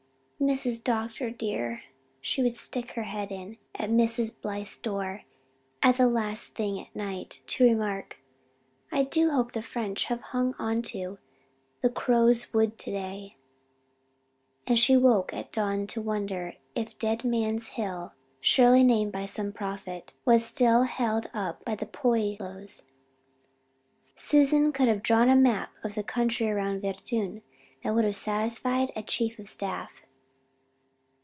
"Mrs. Dr. dear," she would stick her head in at Mrs. Blythe's door the last thing at night to remark, "I do hope the French have hung onto the Crow's Wood today," and she woke at dawn to wonder if Dead Man's Hill surely named by some prophet was still held by the "poyloos." Susan could have drawn a map of the country around Verdun that would have satisfied a chief of staff.